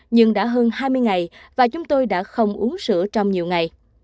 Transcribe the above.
nhưng đã hơn hai mươi ngày và chúng tôi đã không uống sữa trong nhiều ngày